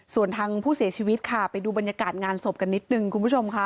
ส่วนทางผู้เสียชีวิตค่ะไปดูบรรยากาศงานศพกันนิดนึงคุณผู้ชมค่ะ